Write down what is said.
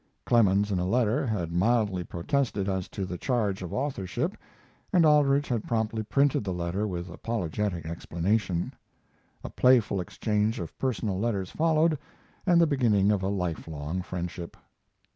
Clemens, in a letter, had mildly protested as to the charge of authorship, and Aldrich had promptly printed the letter with apologetic explanation. A playful exchange of personal letters followed, and the beginning of a lifelong friendship.